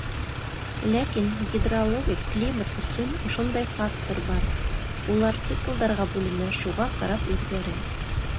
Ләкин гидрологик климат өсөн ошондай фактор бар — улар циклдарға бүленә, шуға ҡарап үҙгәрә.